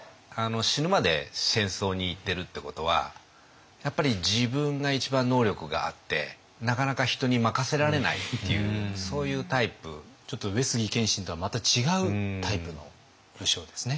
死ぬまで戦争に行ってるってことはやっぱり自分が一番能力があってなかなかちょっと上杉謙信とはまた違うタイプの武将ですね。